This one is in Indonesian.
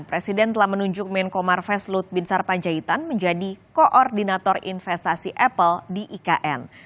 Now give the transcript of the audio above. presiden telah menunjuk menkomar veslut binsar panjaitan menjadi koordinator investasi apple di ikn